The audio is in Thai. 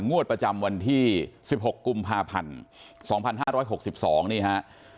งวดประจำวันที่๑๖กุมภาพันธ์๒๕๖๒นี่ฮะ